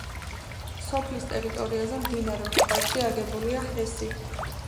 სოფლის ტერიტორიაზე მდინარე მტკვარზე აგებულია ჰესი.